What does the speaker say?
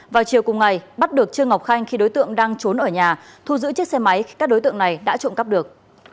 vào chiều cùng ngày bắt được trương ngọc khanh khi đối tượng đang trốn ở nhà thu giữ chiếc xe máy các đối tượng này đã trộm cắp được